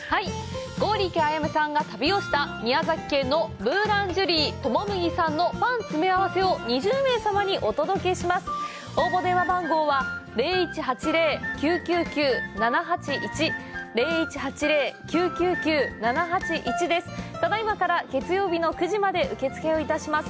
剛力彩芽さんが旅をされた宮崎県のブーランジェリーとも麦さんのパンの詰め合わせを２０名様にお届けします。